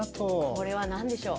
これは何でしょう？